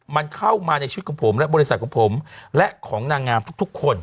มันเข้ามาในชีวิตของผมและบริษัทของผมและของนางงามทุกคน